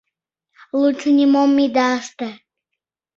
Лучо нимом ида ыште!